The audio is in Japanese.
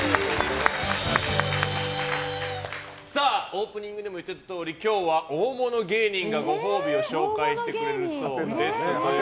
オープニングでも言っていたとおり今日は大物芸人がご褒美を紹介してくれるそうです。